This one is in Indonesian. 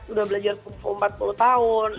udah belajar kumpul empat puluh tahun